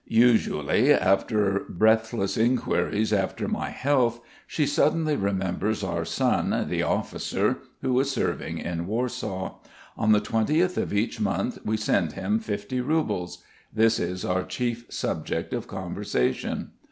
Usually, after breathless inquiries after my health, she suddenly remembers our son, the officer, who is serving in Warsaw. On the twentieth of each month we send him fifty roubles. This is our chief subject of conversation.